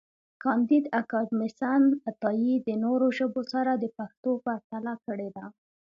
کانديد اکاډميسن عطایي د نورو ژبو سره د پښتو پرتله کړې ده.